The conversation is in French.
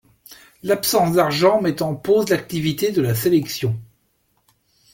L'absence d'argent met en pause l'activité de la sélection.